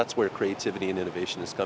trước khi gửi đến unesco